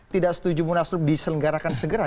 tidak setuju munaslup diselenggarakan segera